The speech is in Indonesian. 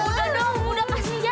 udah dong udah pas nih ya